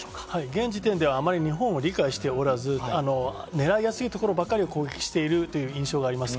現時点ではあまり日本を理解しておらず、狙いやすいところばかり攻撃しているという印象があります。